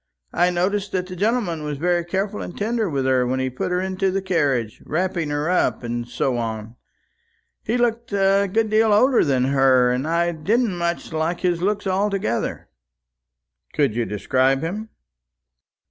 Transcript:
I noticed that the gentleman was very careful and tender with her when he put her into the carriage, wrapping her up, and so on. He looked a good deal older than her, and I didn't much like his looks altogether." "Could you describe him?"